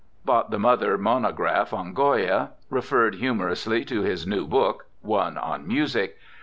Bought the Muther monograph on Goya. Referred humorously to his new book one on music.